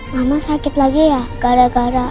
mama sakit lagi ya gara gara